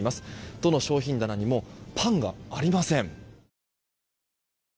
どの商品棚にもパンがありません。